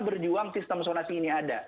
berjuang sistem sonasi ini ada